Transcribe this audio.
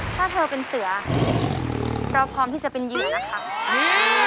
ถ้าเธอเป็นเสือเราพร้อมที่จะเป็นเหยื่อนะคะ